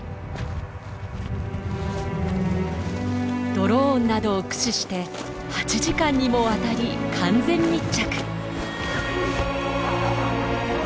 ドローンなどを駆使して８時間にもわたり完全密着！